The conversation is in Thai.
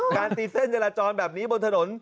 ตีเส้นจราจรแบบนี้บนถนน